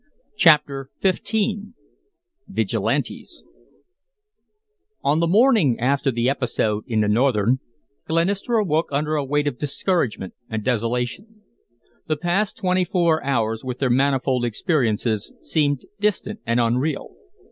CHAPTER XV VIGILANTES On the morning after the episode in the Northern, Glenister awoke under a weight of discouragement and desolation. The past twenty four hours with their manifold experiences seemed distant and unreal.